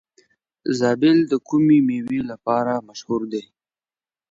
زابل د کومې میوې لپاره مشهور دی؟